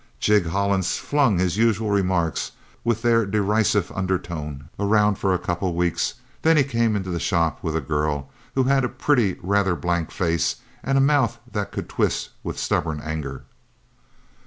Jig Hollins flung his usual remarks, with their derisive undertone, around for a couple of weeks. Then he came into the shop with a girl who had a pretty, rather blank face, and a mouth that could twist with stubborn anger.